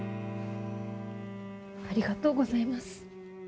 ありがとうございます。